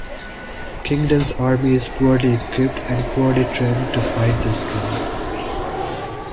Kingdom's army is poorly equipped and poorly trained to fight the Skinks.